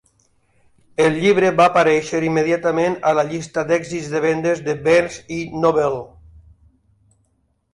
El llibre va aparèixer immediatament a la llista d"èxits de vendes de Barnes i Noble.